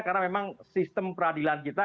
karena memang sistem peradilan kita